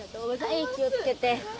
はい気を付けて。